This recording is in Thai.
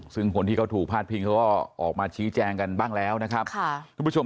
ซึ่งคนที่เขาถูกพาดพิงเขาก็ออกมาชี้แจงกันบ้างแล้วนะครับ